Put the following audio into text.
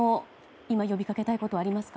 今、呼びかけたいことはありますか？